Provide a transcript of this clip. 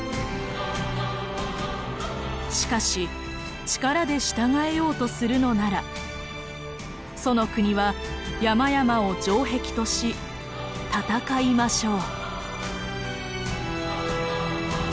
「しかし力で従えようとするのなら楚の国は山々を城壁とし戦いましょう」。